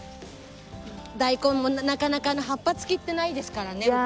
大根もなかなか葉っぱ付きってないですからね。